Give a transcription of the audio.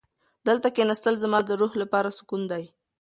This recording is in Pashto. دلته کښېناستل زما د روح لپاره سکون دی.